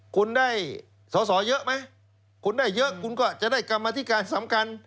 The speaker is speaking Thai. คุณได้สอสอเยอะไหมคุณได้เยอะคุณก็จะได้กรรมธิการสำคัญ